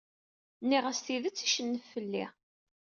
Nniɣ-as tidet, icennef fell-i.